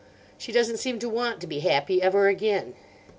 She doesn't seem to want to be happy ever again.